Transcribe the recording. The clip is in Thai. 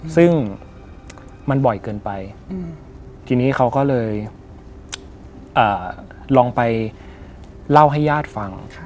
ซึ่งมันบ่อยเกินไปทีนี้เขาก็เลยลองไปเล่าให้ญาติฟัง